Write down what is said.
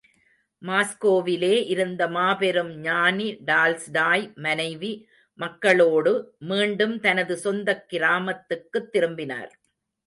மாஸ்கோவிலே இருந்த மாபெரும் ஞானி டால்ஸ்டாய் மனைவி மக்களோடு மீண்டும் தனது சொந்தக் கிராமத்துக்குத் திரும்பினார்.